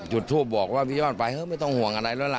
จุดทูปบอกว่าพี่ยอดไปเถอะไม่ต้องห่วงอะไรแล้วล่ะ